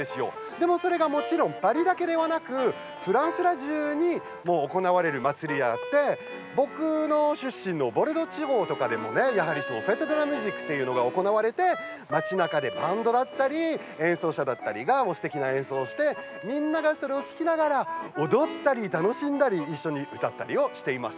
でも、それがパリだけではなくフランス中で行われる祭りであって僕の出身のボルドー地方とかでもフェット・ド・ラ・ミュージック行われて町なかでバンドだったり演奏者がすてきな演奏をしてみんながそれを聴きながら踊ったり楽しんだり一緒に歌ったりをしています。